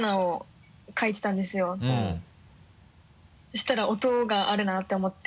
そしたら音があるなって思って。